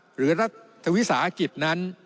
รัฐวิสาหกิจนั้น